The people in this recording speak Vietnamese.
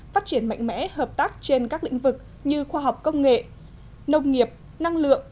phát triển mạnh mẽ hợp tác trên các lĩnh vực như khoa học công nghệ nông nghiệp năng lượng